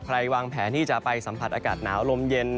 วางแผนที่จะไปสัมผัสอากาศหนาวลมเย็น